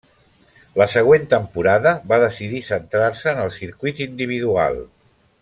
La següent temporada va decidir centrar-se en el circuit individual.